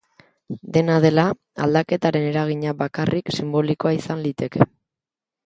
Dena dela, aldaketaren eragina bakarrik sinbolikoa izan liteke.